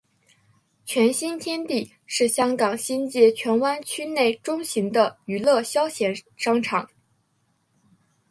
荃新天地是香港新界荃湾区内中型的娱乐消闲商场。